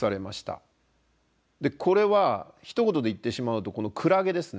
これはひと言で言ってしまうとクラゲですね。